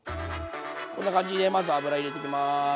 こんな感じでまず油入れていきます。